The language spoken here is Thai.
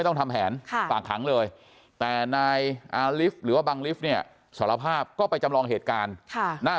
แต่ในนายอาร์ลิฟต์หรือว่าบางลิฟต์สารภาพก็ไปจำลองเหตุการณ์